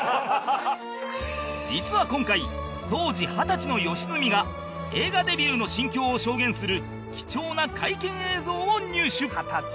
実は今回当時二十歳の良純が映画デビューの心境を証言する貴重な会見映像を入手